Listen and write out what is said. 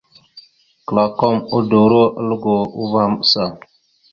Klakom udoróalgo uvah maɓəsa.